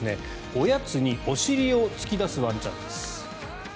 おやつにお尻を突き出すワンちゃんです。